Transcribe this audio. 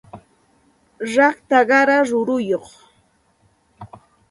rakta qara ruruyuq